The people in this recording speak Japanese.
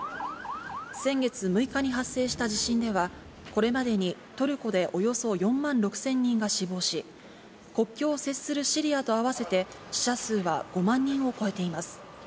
先月６日に発生した地震では、これまでにトルコでおよそ４万６０００人が死亡し、国境を接するシリアと合わせて死者数は５万人を超えています。